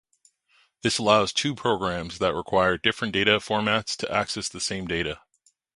This allows two programs that require different data formats to access the same data.